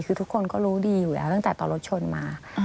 คือทุกคนก็รู้ดีอยู่แล้วตั้งแต่ตอนรถชนมา